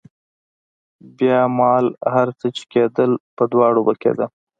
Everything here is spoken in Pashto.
بيا مالې هر څه چې کېدل په دواړو به کېدل.